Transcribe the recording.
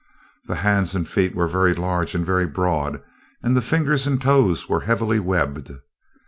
The hands and feet were very large and very broad, and the fingers and toes were heavily webbed.